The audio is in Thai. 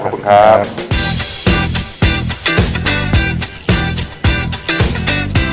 ขอบคุณครับ